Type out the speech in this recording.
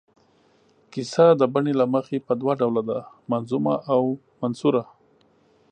کیسه د بڼې له مخې په دوه ډوله ده، منظومه او منثوره.